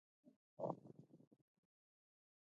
خوند اخیستل ښه دی.